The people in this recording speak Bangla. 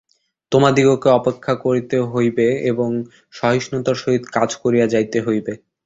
তোমাদিগকে অপেক্ষা করিতে হইবে এবং সহিষ্ণুতার সহিত কাজ করিয়া যাইতে হইবে।